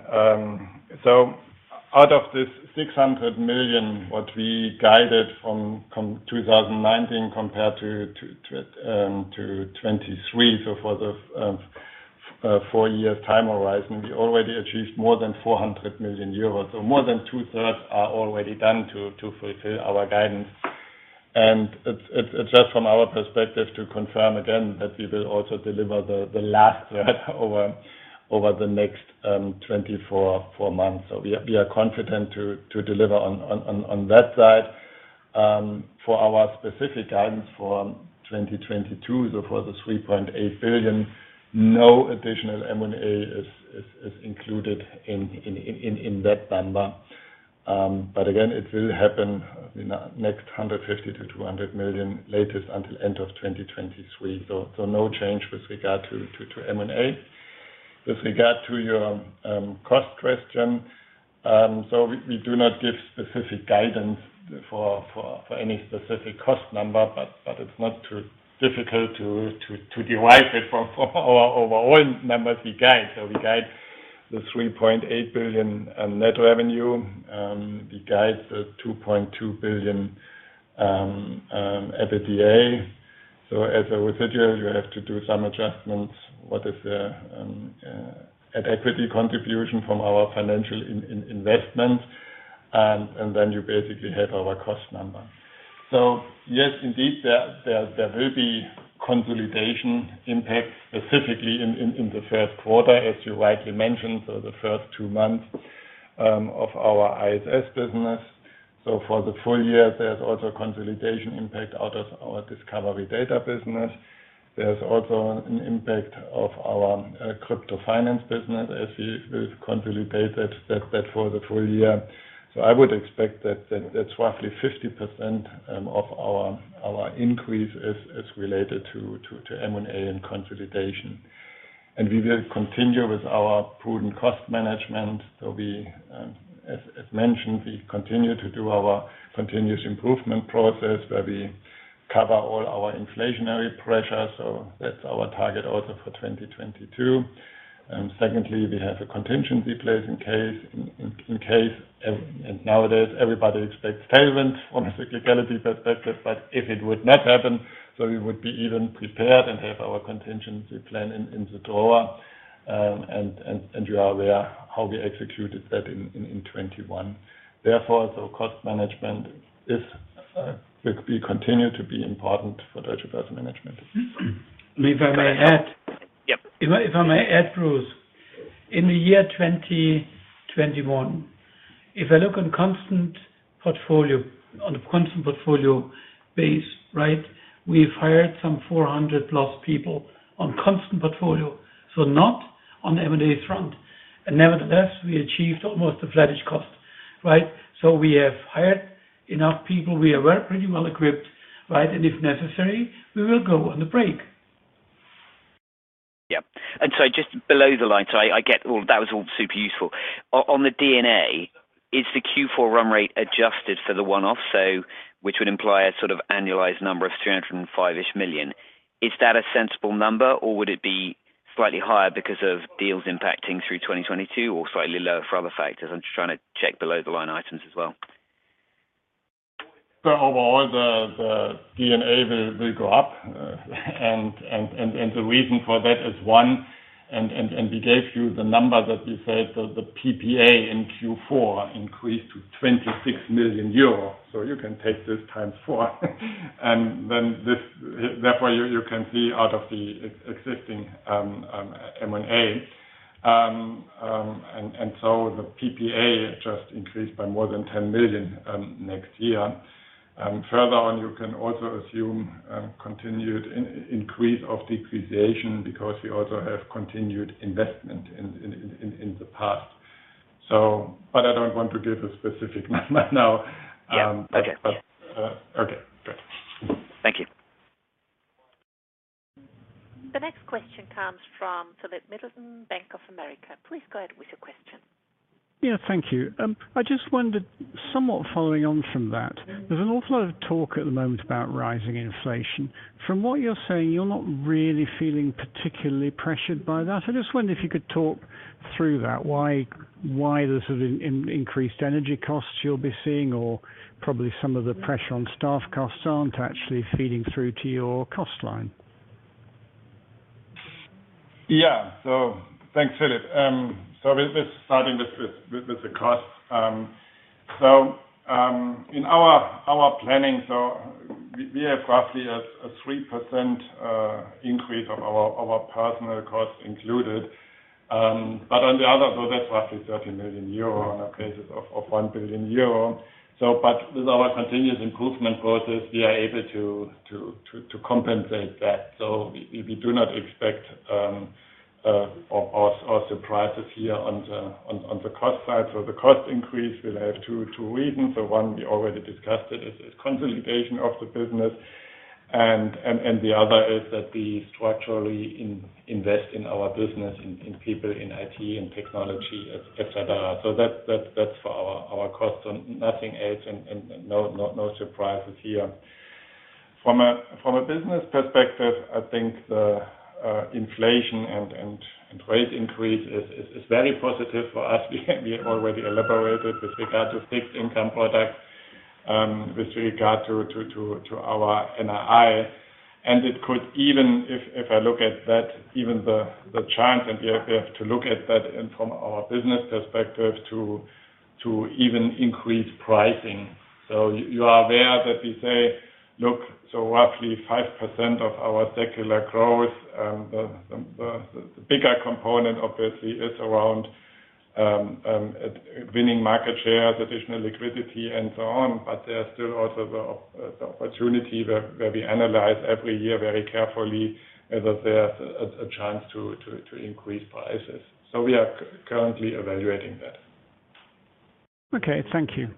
Out of this 600 million what we guided from 2019 compared to 2023, for the four-year time horizon, we already achieved more than 400 million euros. More than 2/3 are already done to fulfill our guidance. It's just from our perspective to confirm again that we will also deliver the last over the next 24 months. We are confident to deliver on that side. For our specific guidance for 2022, for the 3.8 billion, no additional M&A is included in that number. Again, it will happen in the next 150 million-200 million latest until end of 2023. No change with regard to M&A. With regard to your cost question, we do not give specific guidance for any specific cost number, but it's not too difficult to derive it from our overall numbers we guide. We guide the 3.8 billion net revenue. We guide the 2.2 billion EBITDA. As I said here, you have to do some adjustments. What is the equity contribution from our financial investment, and then you basically have our cost number. Yes, indeed, there will be consolidation impact specifically in the first quarter, as you rightly mentioned, the first two months of our ISS business. For the full year, there's also a consolidation impact out of our Discovery Data business. There's also an impact of our Crypto Finance business as we've consolidated that for the full year. I would expect that that's roughly 50% of our increase is related to M&A and consolidation. We will continue with our prudent cost management. As mentioned, we continue to do our continuous improvement process where we cover all our inflationary pressure. That's our target also for 2022. Secondly, we have a contingency plan in case and nowadays everybody expects tailwinds from a cyclicality perspective, but if it would not happen, we would be even prepared and have our contingency plan in the drawer. You are aware how we executed that in 2021. Therefore, cost management will be continued to be important for Deutsche Börse management. If I may add. Yep. If I may add, Bruce. In the year 2021, if I look on constant portfolio, on a constant portfolio base, right, we've hired some 400+ people on constant portfolio, so not on the M&A front. Nevertheless, we achieved almost a flat-ish cost, right? We have hired enough people. We are well, pretty well equipped, right? If necessary, we will go on the break. Yeah. Just below the line, so I get all that was all super useful. On the D&A, is the Q4 run rate adjusted for the one-off? Which would imply a sort of annualized number of 305-ish million. Is that a sensible number, or would it be slightly higher because of deals impacting through 2022 or slightly lower for other factors? I'm just trying to check below the line items as well. Overall, the D&A will go up. The reason for that is we gave you the number that we said the PPA in Q4 increased to 26 million euros. You can take this times 4. Therefore, you can see out of the existing M&A. The PPA just increased by more than 10 million next year. Further on, you can also assume continued increase of depreciation because we also have continued investment in the past. I don't want to give a specific number now. Yeah. Okay. Yeah. Okay, great. Thank you. The next question comes from Philip Middleton, Bank of America. Please go ahead with your question. Yeah, thank you. I just wondered, somewhat following on from that, there's an awful lot of talk at the moment about rising inflation. From what you're saying, you're not really feeling particularly pressured by that. I just wonder if you could talk through that, why the sort of increased energy costs you'll be seeing or probably some of the pressure on staff costs aren't actually feeding through to your cost line. Yeah. Thanks, Philip. Let's start with the costs. In our planning, we have roughly a 3% increase of our personal costs included. But on the other, that's roughly 30 million euro on a basis of 1 billion euro. With our continuous improvement process, we are able to compensate that. We do not expect or surprises here on the cost side. The cost increase will have two reasons. One, we already discussed it, is consolidation of the business. The other is that we structurally invest in our business, in people in IT and technology, et cetera. That's for our costs and nothing else and no surprises here. From a business perspective, I think the inflation and rate increase is very positive for us. We have already elaborated with regard to fixed income products, with regard to our NII. It could even if I look at that, even the chance and we have to look at that and from our business perspective to even increase pricing. You are aware that we say, look, roughly 5% of our secular growth, the bigger component obviously is around winning market shares, additional liquidity and so on. There are still also the opportunity where we analyze every year very carefully as if there's a chance to increase prices. We are currently evaluating that. Okay, thank you.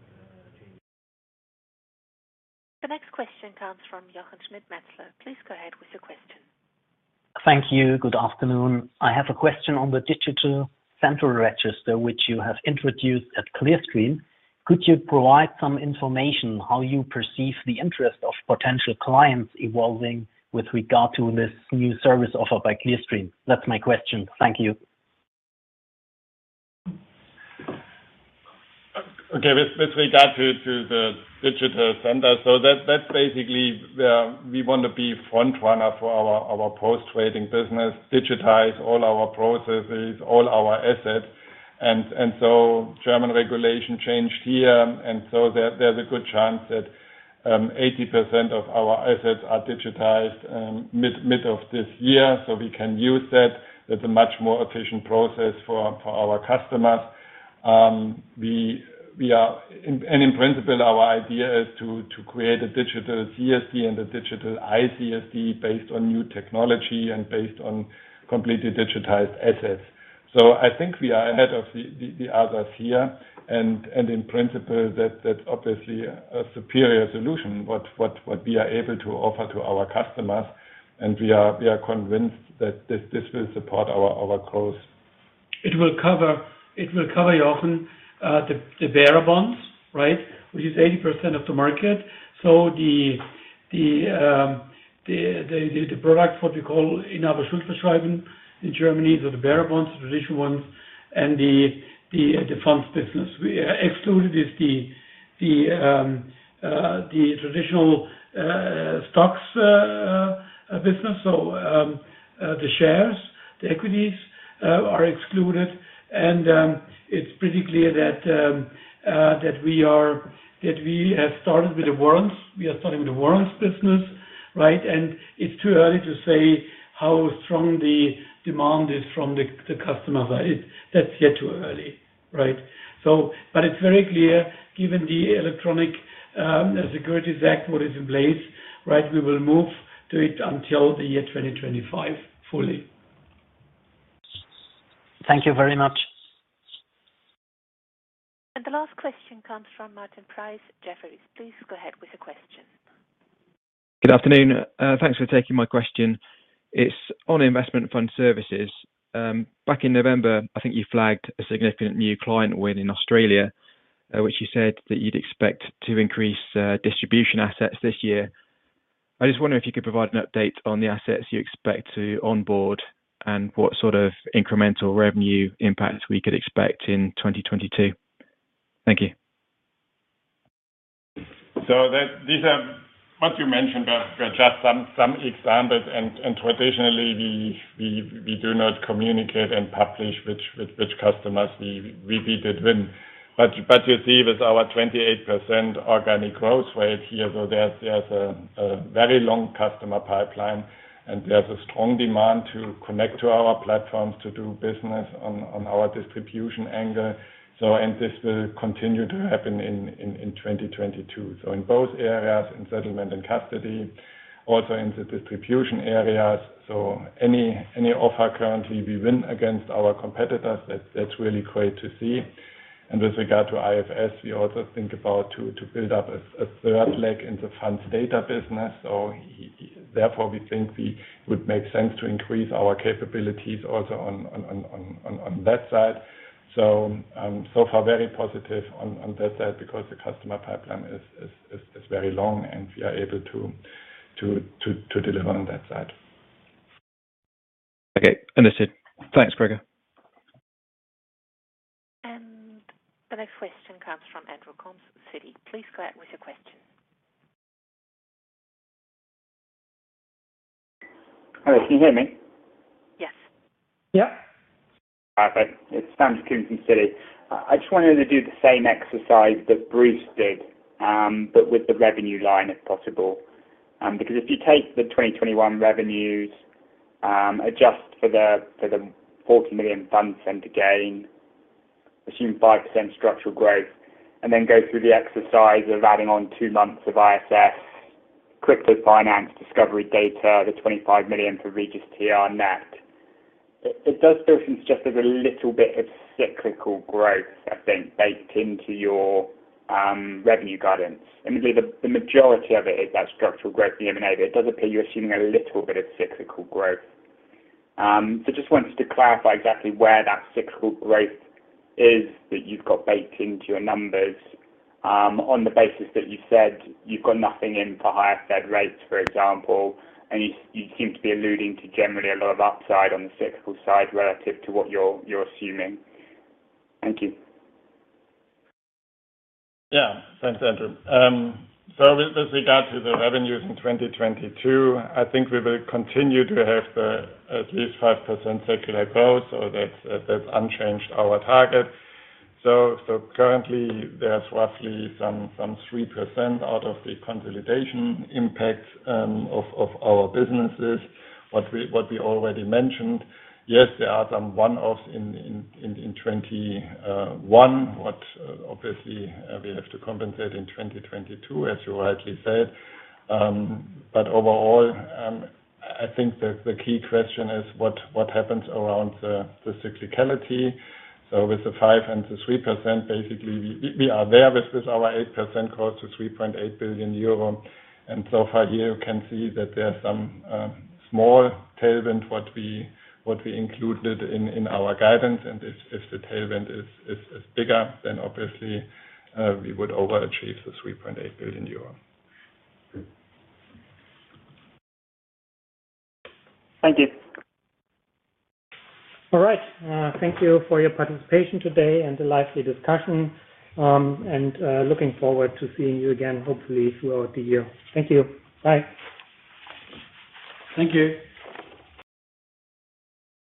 The next question comes from Jochen Schmitt. Please go ahead with your question. Thank you. Good afternoon. I have a question on the digital central register which you have introduced at Clearstream. Could you provide some information how you perceive the interest of potential clients evolving with regard to this new service offered by Clearstream? That's my question. Thank you. Okay. With regard to the digital register. That's basically where we want to be front runner for our post trading business, digitize all our processes, all our assets. German regulation changed here. There's a good chance that 80% of our assets are digitized mid of this year. We can use that. That's a much more efficient process for our customers. In principle, our idea is to create a digital CSD and a digital ICSD based on new technology and based on completely digitized assets. I think we are ahead of the others here. In principle that's obviously a superior solution what we are able to offer to our customersand we are convinced that this will support our growth. It will cover Jochen, the bearer bonds, right? Which is 80% of the market. The product, what we call Inhaberschuldverschreibung in Germany. The bearer bonds, traditional ones, and the funds business. Excluded is the traditional stocks business. The shares, the equities are excluded. It's pretty clear that we have started with the warrants. We are starting with the warrants business, right? It's too early to say how strong the demand is from the customers. That's yet too early, right? It's very clear, given the electronic securities act, what is in place, right, we will move to it until 2025 fully. Thank you very much. The last question comes from Martin Price, Jefferies. Please go ahead with the question. Good afternoon. Thanks for taking my question. It's on investment Fund Services. Back in November, I think you flagged a significant new client win in Australia, which you said that you'd expect to increase distribution assets this year. I just wonder if you could provide an update on the assets you expect to onboard and what sort of incremental revenue impact we could expect in 2022. Thank you. What you mentioned are just some examples. Traditionally, we do not communicate and publish which customers we beat at win. You see with our 28% organic growth rate here, there's a very long customer pipeline, and there's a strong demand to connect to our platforms to do business on our distribution angle. This will continue to happen in 2022. In both areas, in settlement and custody, also in the distribution areas. Any offer currently we win against our competitors, that's really great to see. With regard to IFS, we also think about to build up a third leg in the funds data business. Therefore we think we would make sense to increase our capabilities also on that side. So far very positive on that side because the customer pipeline is very long and we are able to deliver on that side. Okay. Understood. Thanks, Gregor. The next question comes from Andrew Coombs, Citi. Please go ahead with your question. Hello, can you hear me? Yes. Yeah. Perfect. It's Andrew Coombs from Citi. I just wanted to do the same exercise that Bruce did, but with the revenue line, if possible. Because if you take the 2021 revenues, adjust for the 40 million Fund Centre gain, assume 5% structural growth, and then go through the exercise of adding on two months of ISS, Crypto Finance, Discovery Data, the 25 million for REGIS-TR net. It does feel like just a little bit of cyclical growth, I think, baked into your revenue guidance. I mean, the majority of it is that structural growth in M&A, but it does appear you're assuming a little bit of cyclical growth. Just wanted to clarify exactly where that cyclical growth is that you've got baked into your numbers, on the basis that you said you've got nothing in for higher Fed rates, for example. You seem to be alluding to generally a lot of upside on the cyclical side relative to what you're assuming. Thank you. Thanks, Andrew. With regard to the revenues in 2022, I think we will continue to have at least 5% secular growth. That's unchanged, our target. Currently there's roughly some 3% out of the consolidation impact of our businesses, what we already mentioned. Yes, there are some one-offs in 2021, what obviously we have to compensate in 2022, as you rightly said. Overall, I think that the key question is what happens around the cyclicality. With the 5% and the 3%, basically we are there with our 8% cost to 3.8 billion euro. So far here you can see that there are some small tailwinds that we included in our guidance. If the tailwind is bigger, then obviously we would overachieve the 3.8 billion euro. Thank you. All right. Thank you for your participation today and the lively discussion. Looking forward to seeing you again hopefully throughout the year. Thank you. Bye. Thank you.